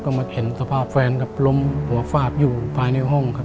วันกลับมาก็เห็นสภาพแฟนล้มหัวฟ้าอยู่ภายในห้อง